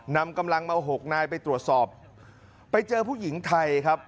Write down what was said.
นำกำลังมาหกนายไปตรวจสอบไปเจอผู้หญิงไทยครับ